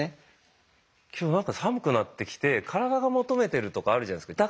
今日何か寒くなってきて体が求めてるとかあるじゃないですか。